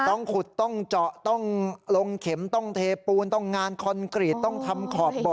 ต้องขุดต้องเจาะต้องลงเข็มต้องเทปูนต้องงานคอนกรีตต้องทำขอบบ่อ